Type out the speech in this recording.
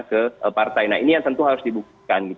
ke partai nah ini yang tentu harus dibuktikan